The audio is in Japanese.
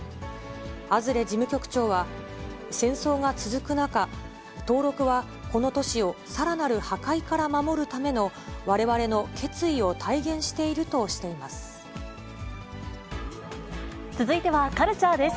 アズレ事務局長は、戦争が続く中、登録はこの都市をさらなる破壊から守るためのわれわれの決意を体続いては、カルチャーです。